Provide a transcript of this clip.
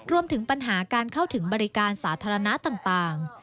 รวมถึงปัญหาการเข้าถึงบริการสาธารณะต่าง